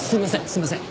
すいません。